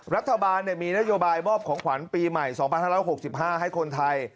รัฐบาลมีนโยบายมอบของขวัญปีใหม่๒๕๖๕ให้คนไทย